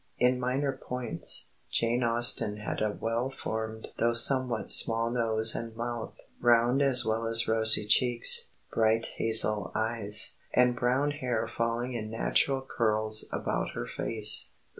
In minor points, Jane Austen had a well formed though somewhat small nose and mouth, round as well as rosy cheeks, bright hazel eyes, and brown hair falling in natural curls about her face."